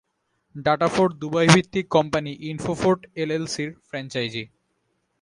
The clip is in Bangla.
ডাটাফোর্ট দুবাইভিত্তিক কোম্পানি ইনফোফোর্ট এলএলসির ফ্র্যাঞ্চাইজি।